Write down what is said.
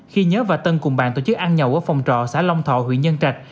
khi nhớ và tân cùng bạn tổ chức ăn nhậu ở phòng trọ xã long thọ huyện nhân trạch